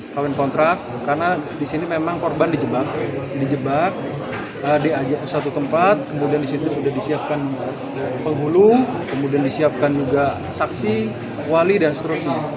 kawin kontrak karena di sini memang korban dijebak diajak satu tempat kemudian disitu sudah disiapkan penghulu kemudian disiapkan juga saksi wali dan seterusnya